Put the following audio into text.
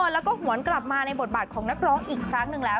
แล้วก็หวนกลับมาในบทบาทของนักร้องอีกครั้งหนึ่งแล้ว